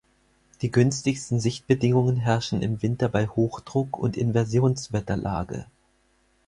Die günstigsten Sichtbedingungen herrschen im Winter bei Hochdruck und Inversionswetterlage.